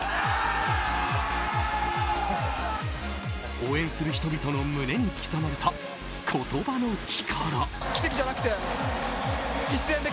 応援する人々の胸に刻まれた言葉の力。